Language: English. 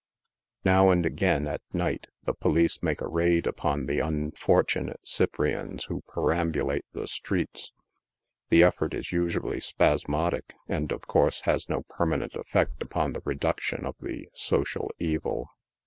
Now and again, at night, the police make a raid upon the unfor tunate cyprians who perambulr. e the streets. The effort is usually spasmodic, and, of course, has no permanent effect upon the reduc tion of the " social evil."